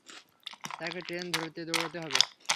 তাকে ট্রেন ধরতে দৌড়াতে হবে।